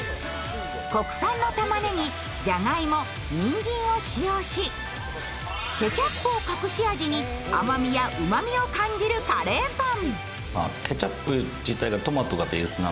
国産のたまねぎ、じゃがいも、にんじんを使用し、ケチャップを隠し味に甘みやうまみを感じるカレーパン。